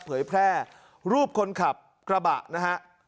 เผยแพร่รูปคนขับกระบะนะฮะ